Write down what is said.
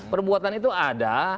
perbuatan itu ada